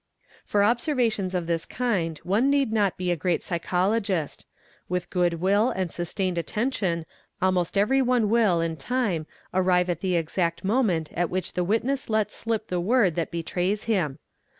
| s For observations of this kind one need not be a great psychologist ; with good will and sustained attention almost every one will in time "arrive at the exact moment at which the witness lets slip the word that betrays him.